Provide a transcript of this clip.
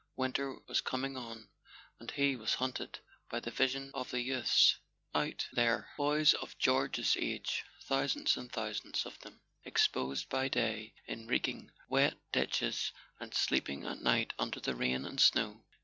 Winter was coming on, and he was haunted by the vision of the youths out [HI] A SON AT THE FRONT there, boys of George's age, thousands and thousands of them, exposed by day in reeking wet ditches and sleeping at night under the rain and snow.